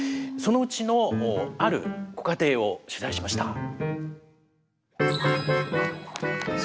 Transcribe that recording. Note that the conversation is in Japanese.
そのうちのあるご家庭を取材しました。